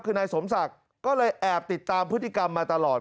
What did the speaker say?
คือนายสมศักดิ์ก็เลยแอบติดตามพฤติกรรมมาตลอด